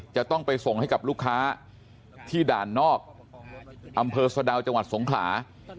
จะต้องไปส่งให้กับลูกค้าที่ด่านนอกอำเภอสะดาวจังหวัดสงขลา